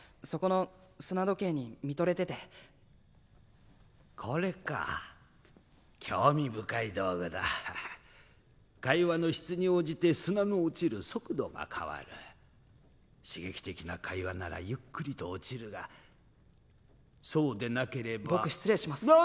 そこの砂時計に見とれててこれか興味深い道具だ会話の質に応じて砂の落ちる速度が変わる刺激的な会話ならゆっくりと落ちるがそうでなければ僕失礼します